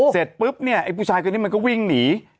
เสร็จปุ๊บเนี่ยไอ้ผู้ชายคนนี้มันก็วิ่งหนี